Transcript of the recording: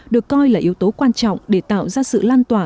được coi là yếu tố quan trọng để tạo ra sự lan tỏa